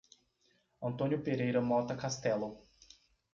Antônio Pereira Mota Castelo